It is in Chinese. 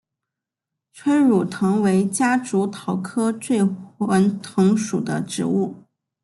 催乳藤为夹竹桃科醉魂藤属的植物。